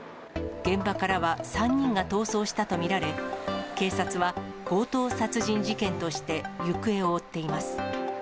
現場からは３人が逃走したとみられ、警察は強盗殺人事件として行方を追っています。